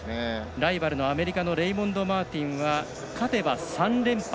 ライバルのアメリカのレイモンド・マーティンは勝てば３連覇。